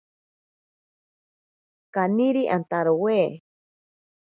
Kaniri antarowe.